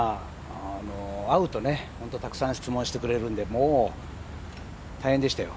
会うと、本当にたくさん質問をしてくれるのでもう大変でしたよ。